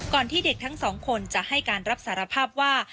ที่เด็กทั้งสองคนจะให้การรับสารภาพว่า